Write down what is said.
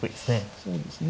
そうですね